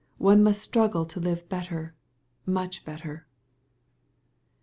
One must struggle to live better, much better."...